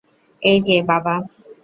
এই যে, বাবা।